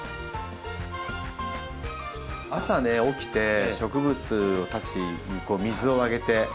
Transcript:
朝ね起きて植物たちに水をあげて。